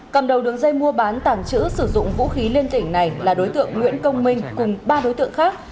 cầm đầu đường dây mua bán tàng trữ sử dụng vũ khí liên tỉnh này là đối tượng nguyễn công minh cùng ba đối tượng khác